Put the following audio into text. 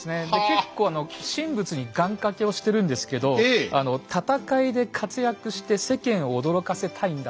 結構神仏に願かけをしてるんですけど「戦いで活躍して世間を驚かせたいんだ。